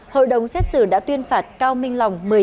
hội đồng xét xử đã tuyên phạt cao minh lòng